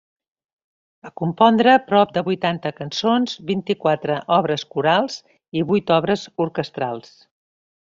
Va compondre prop de vuitanta cançons, vint-i-quatre obres corals i vuit obres orquestrals.